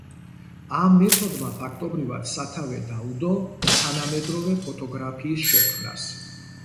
ამ მეთოდმა ფაქტობრივად სათავე დაუდო თანამედროვე ფოტოგრაფიის შექმნას.